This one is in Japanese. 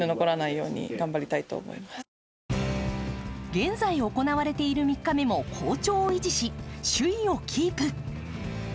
現在行われている３日目も好調を維持し首位をキープ。